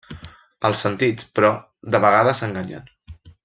Els sentits, però, de vegades enganyen.